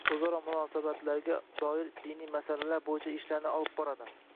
o’zaro munosabatlarga doir diniy masalalar bo’yicha ishlarni olib boradi;